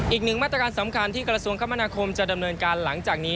อีกหนึ่งมาตรการสำคัญที่กระทรวงคมนาคมจะดำเนินการหลังจากนี้